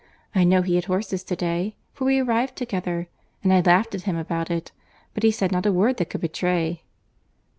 I know he had horses to day—for we arrived together; and I laughed at him about it, but he said not a word that could betray."